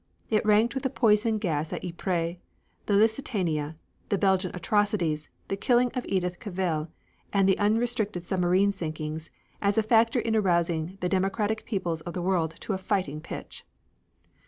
It ranked with the poison gas at Ypres, the Lusitania, the Belgian atrocities, the killing of Edith Cavell and the unrestricted submarine sinkings, as a factor in arousing the democratic peoples of the world to a fighting pitch.